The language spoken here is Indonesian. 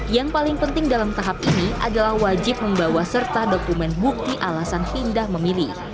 yang paling penting dalam tahap ini adalah wajib membawa serta dokumen bukti alasan pindah memilih